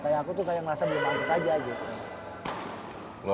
kayak aku tuh kayak ngerasa belum pantes aja gitu